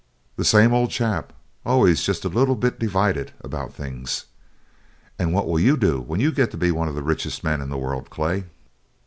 "The same old chap! always just a little bit divided about things. And what will you do when you get to be one of the richest men in the world, Clay?"